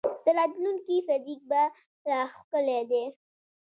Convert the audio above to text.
د راتلونکي فزیک به لا ښکلی دی.